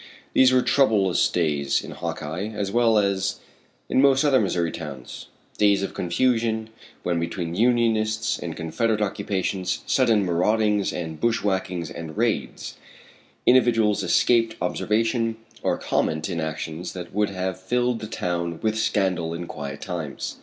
Those were troublous days in Hawkeye as well as in most other Missouri towns, days of confusion, when between Unionist and Confederate occupations, sudden maraudings and bush whackings and raids, individuals escaped observation or comment in actions that would have filled the town with scandal in quiet times.